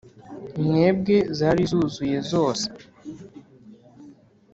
mwebwe zari zuzuye zose